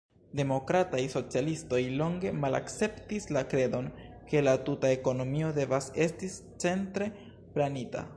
Demokrataj socialistoj longe malakceptis la kredon, ke la tuta ekonomio devas esti centre planita.